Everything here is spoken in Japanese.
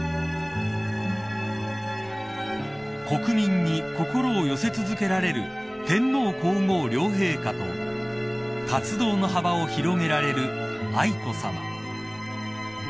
［国民に心を寄せ続けられる天皇皇后両陛下と活動の幅を広げられる愛子さま］